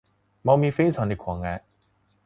猫咪非常的可爱。